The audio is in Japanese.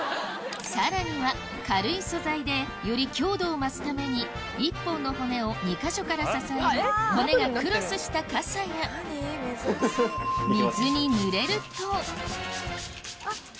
さらには軽い素材でより強度を増すために１本の骨を２か所から支える骨がクロスした傘やフフフいきますね。